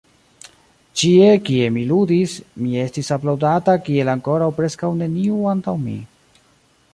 Ĉie kie mi ludis, mi estis aplaŭdata kiel ankoraŭ preskaŭ neniu antaŭ mi.